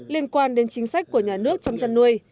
liên quan đến chính sách của nhà nước trong chăn nuôi